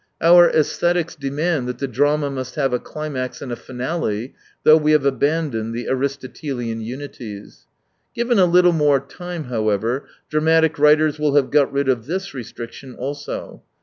Our aesthetics demand that the drama must have a climax and a finale : though we have abandoned the Aristotelian unities. Given a little more time, however, dramatic writers will have got rid of this restriction also.